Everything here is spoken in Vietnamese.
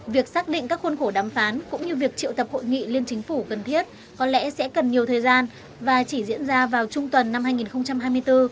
việc xác định các khuôn khổ đàm phán cũng như việc triệu tập hội nghị liên chính phủ cần thiết có lẽ sẽ cần nhiều thời gian và chỉ diễn ra vào trung tuần năm hai nghìn hai mươi bốn